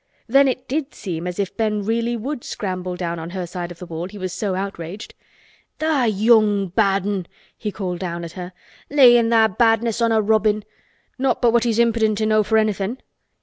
Then it did seem as if Ben really would scramble down on her side of the wall, he was so outraged. "Tha' young bad 'un!" he called down at her. "Layin' tha' badness on a robin—not but what he's impidint enow for anythin'.